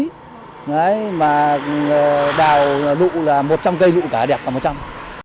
nhưng mà đào lụ là một trong cây lụ cả đẹp cả một trong